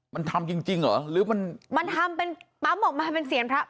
มันทำจริงจริงเหรอหรือมันมันทำเป็นปั๊มออกมาเป็นเสียงพระ